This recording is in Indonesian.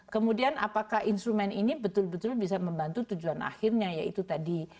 kemudian apakah instrumen ini betul betul bisa membantu tujuan akhirnya yaitu tadi